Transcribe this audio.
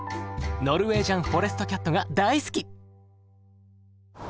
ノルウェージャンフォレストキャットが大好き！